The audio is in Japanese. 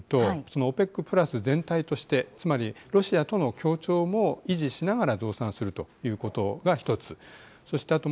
ただ、中身を見てみると、そのＯＰＥＣプラス全体として、つまりロシアとの協調も維持しながら増産するということが一つ。